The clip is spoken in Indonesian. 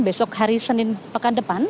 besok hari senin pekan depan